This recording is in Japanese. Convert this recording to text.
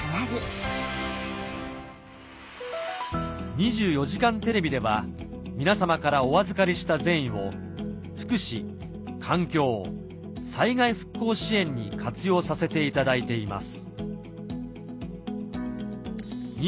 『２４時間テレビ』では皆様からお預かりした善意を福祉・環境・災害復興支援に活用させていただいています